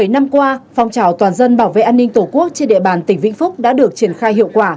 bảy năm qua phong trào toàn dân bảo vệ an ninh tổ quốc trên địa bàn tỉnh vĩnh phúc đã được triển khai hiệu quả